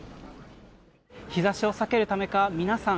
日差しを避けるためか皆さん